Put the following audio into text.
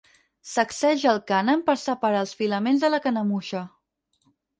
Sacseja el cànem per separar els filaments de la canemuixa.